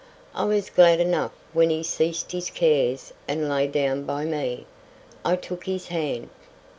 I was glad enough when he ceased his cares and lay down by me. I took his hand.